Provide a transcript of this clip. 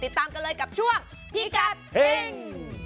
ติดตามกันเลยกับช่วงพิกัดเฮ่ง